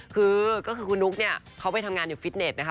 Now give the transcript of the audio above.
คือก็คือคุณนุ๊กเนี่ยเขาไปทำงานอยู่ฟิตเน็ตนะคะ